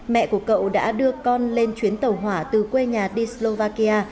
mẹ của cậu đã đưa con lên chuyến tàu hỏa từ quê nhà đi slovakia